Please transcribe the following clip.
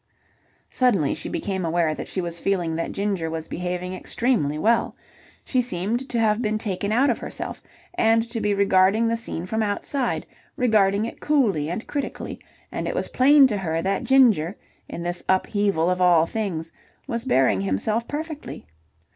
Suddenly, she became aware that she was feeling that Ginger was behaving extremely well. She seemed to have been taken out of herself and to be regarding the scene from outside, regarding it coolly and critically; and it was plain to her that Ginger, in this upheaval of all things, was bearing himself perfectly.